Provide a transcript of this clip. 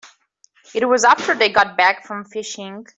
It was after they got back from fishing.